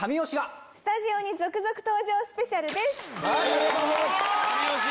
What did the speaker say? ありがとうございます！